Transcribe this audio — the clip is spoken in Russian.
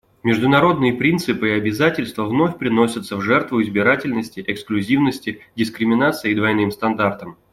Международные принципы и обязательства вновь приносятся в жертву избирательности, эксклюзивности, дискриминации и двойным стандартам.